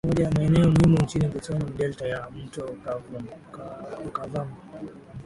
Moja ya maeneo muhimu nchini Botswana ni delta ya mto Okavango